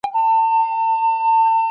د ذمي ژوند د مسلمان غوندې خوندي دی.